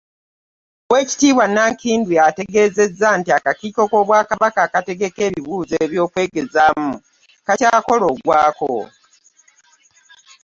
Oweekitiibwa Nankindu ategezezza nti akakiiko k'Obwakabaka akategeka ebibuuzo by'okwegezaamu kakyakola ogwako